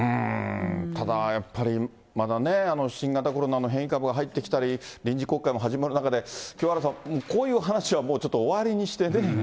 ただ、やっぱり、まだね、新型コロナの変異株が入ってきたり、臨時国会も始まる中で、清原さん、こういう話はもうちょっと終わりにしてね。